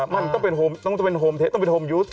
มันต้องเป็นโฮมเทะต้องเป็นโฮมยูส